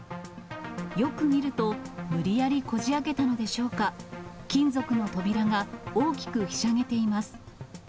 よく見ると、無理やりこじあけたのでしょうか、金属の扉が大きくひしゃげています。